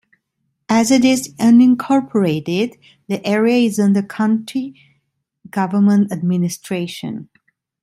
As it is unincorporated, the area is under county government administration.